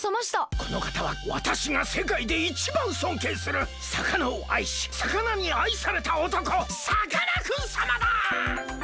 このかたはわたしがせかいでいちばんそんけいするさかなをあいしさかなにあいされたおとこさかなクンさまだ！